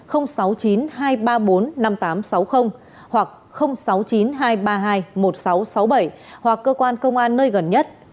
hoặc sáu mươi chín hai trăm ba mươi hai một nghìn sáu trăm sáu mươi bảy hoặc cơ quan công an nơi gần nhất